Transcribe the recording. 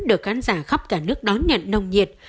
được khán giả khắp cả nước đón nhận nồng nhiệt